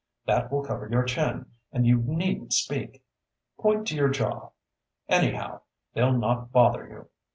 "That will cover your chin, and you needn't speak. Point to your jaw. Anyhow, they'll not bother you.